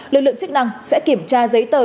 lực lượng chức năng sẽ kiểm tra giấy tờ